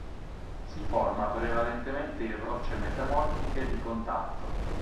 Si forma prevalentemente in rocce metamorfiche di contatto.